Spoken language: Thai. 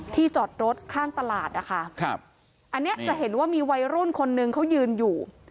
จอดรถข้างตลาดนะคะครับอันนี้จะเห็นว่ามีวัยรุ่นคนนึงเขายืนอยู่